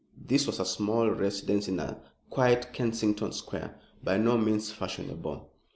This was a small residence in a quiet Kensington square, by no means fashionable.